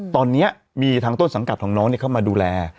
ตอนนี้มีทางต้นสังกัดของน้องเข้ามาดูแล